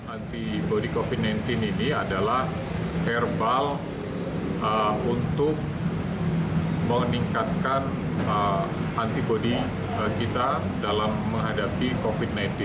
antibody covid sembilan belas ini adalah herbal untuk meningkatkan antibody kita dalam menghadapi covid sembilan belas